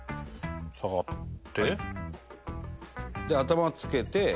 で頭つけて。